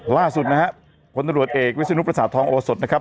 ล่าสุดนะฮะผลตรวจเอกวิศนุประสาททองโอสดนะครับ